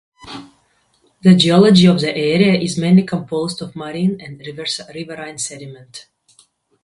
The geology of the area is mainly composed of marine and riverine sediment.